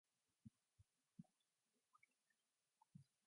The town is situated in a particularly green part of Poland.